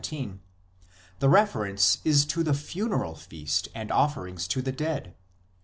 17, the refer ence is to the funeral feast and offerings to the dead.